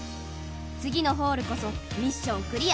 次のホールこそミッションクリア